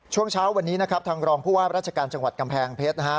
ช่วงเช้าวันนี้นะครับทางรองผู้ว่าราชการจังหวัดกำแพงเพชรนะฮะ